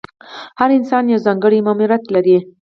هر انسان یو ځانګړی ماموریت لري.